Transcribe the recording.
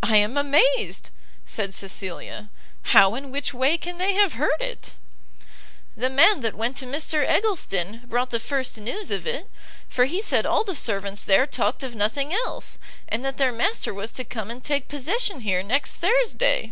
"I am amazed!" said Cecilia; "how and which way can they have heard it?" "The man that went to Mr Eggleston brought the first news of it, for he said all the servants there talked of nothing else, and that their master was to come and take possession here next Thursday."